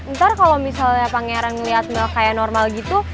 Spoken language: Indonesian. ntar kalo misalnya pangeran ngeliat mel kayak normal gitu